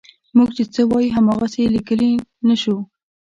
موږ چې څه وایو هماغسې یې لیکلی نه شو.